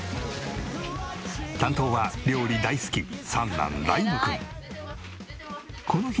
担当は料理大好き三男麗優心くん。